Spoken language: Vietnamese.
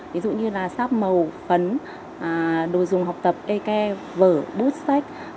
ví dụ như là sáp màu phấn đồ dùng học tập ek vở bút sách